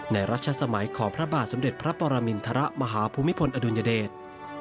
รัชสมัยของพระบาทสมเด็จพระปรมินทรมาฮภูมิพลอดุลยเดช